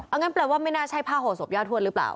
อันนั้นแปลว่าไม่น่าใช่ผ้าโหดสภรษ์ญาติธวลหรือเปล่า